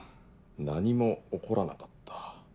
何も起こらなかった。